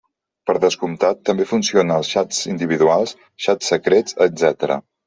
Per descomptat, també funciona als xats individuals, xats secrets, etc.